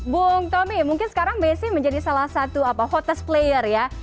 bung tommy mungkin sekarang messi menjadi salah satu hottest player ya